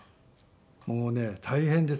もうね大変です。